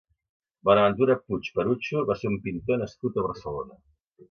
Bonaventura Puig Perucho va ser un pintor nascut a Barcelona.